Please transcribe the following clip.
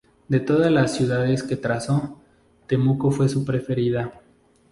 De todas las ciudades que trazó, Temuco fue su preferida.